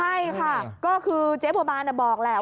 ใช่ค่ะก็คือเจ๊บัวบานบอกแหละ